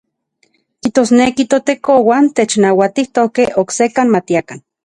Kijtosneki ToTekouan technauatijtokej oksekan matiakan.